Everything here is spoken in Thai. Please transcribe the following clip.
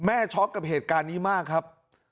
ช็อกกับเหตุการณ์นี้มากครับ